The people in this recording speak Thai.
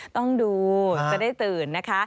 ต้องดูจะได้ตื่นนะคะ